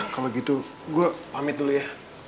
kalau gitu gue pamit dulu ya